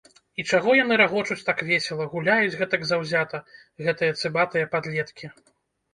І чаго яны рагочуць так весела, гуляюць гэтак заўзята, гэтыя цыбатыя падлеткі?